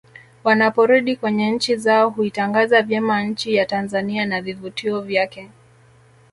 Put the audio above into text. Wanaporudi kwenye nchi zao huitangaza vyema nchi ya Tanzania na vivutio vyake